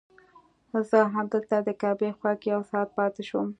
زه همدلته د کعبې خوا کې یو ساعت پاتې شوم.